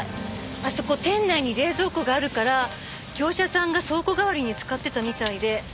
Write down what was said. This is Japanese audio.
あそこ店内に冷蔵庫があるから業者さんが倉庫代わりに使ってたみたいで。